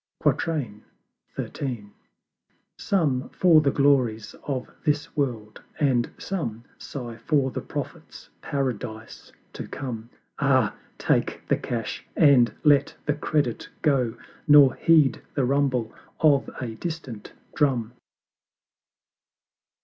XIII. Some for the Glories of This World; and some Sigh for the Prophet's Paradise to come; Ah, take the Cash, and let the Credit go, Nor heed the rumble of a distant Drum!